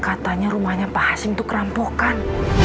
katanya rumahnya pak hasim itu kerampokan